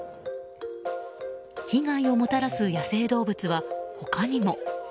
被害をもたらす野生動物は他にも。